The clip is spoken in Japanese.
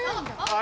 あ！